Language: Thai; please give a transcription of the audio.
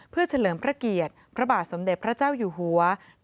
เพื่อเฉลิมพระเกียรติพระบาทสมเด็จพระเจ้าอยู่หัว